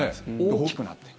大きくなっている。